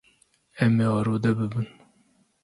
Em ê arode bibin.